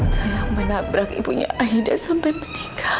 tante yang menabrak ipunya aida sampai meninggal